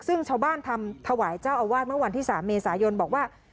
ซึ่งชาวบ้านทำถวายเจ้าอาวาสเมื่อวันที่๓เมษายนบอกว่า